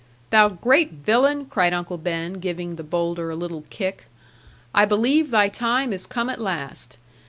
'Thou great villain!' cried Uncle Ben, giving the boulder a little kick; 'I believe thy time is come at last.